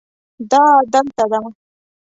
دا دلته ده